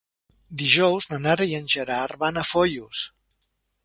Dijous na Nara i en Gerard van a Foios.